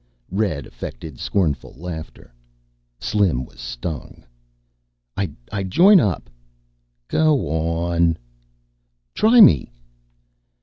Red affected scornful laughter. Slim was stung. "I'd join up." "Go on." "Try me."